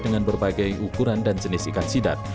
dengan berbagai ukuran dan jenis ikan sidap